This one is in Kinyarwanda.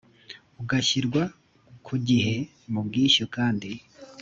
ugashyirwa ku gihe mu bwishyu kandi